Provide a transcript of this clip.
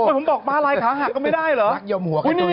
ผมบอกมาลายขาหักก็ไม่ได้เหรอ